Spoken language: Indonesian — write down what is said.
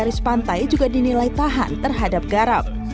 padi yang terbatas di pantai juga dinilai tahan terhadap garam